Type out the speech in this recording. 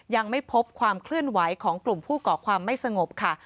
ยังไม่พบความเคลื่อนไหวของกลุ่มผู้ก่อความไม่สงบค่ะ